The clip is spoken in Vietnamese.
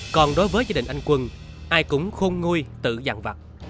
còn đối với gia đình anh quân ai cũng khôn nguôi tự dặn vặt